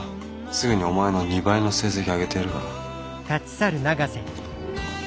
すぐにお前の２倍の成績あげてやるから。